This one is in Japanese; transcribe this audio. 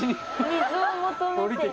水を求めて。